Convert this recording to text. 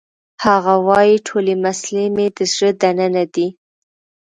هغه وایی ټولې مسلې مې د زړه دننه دي